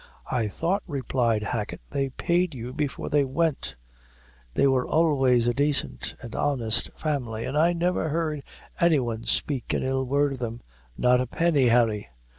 "I thought," replied Hacket, "they paid you before they went; they were always a daicent and an honest family, an' I never heard any one speak an ill word o' them." "Not a penny, Harry."